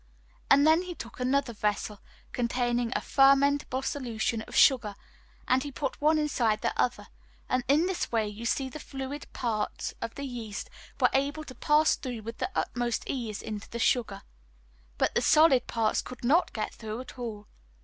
And then he took another vessel containing a fermentable solution of sugar, and he put one inside the other; and in this way you see the fluid parts of the yeast were able to pass through with the utmost ease into the sugar, but the solid parts could not get through at all.